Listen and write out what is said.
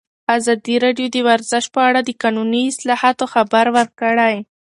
ازادي راډیو د ورزش په اړه د قانوني اصلاحاتو خبر ورکړی.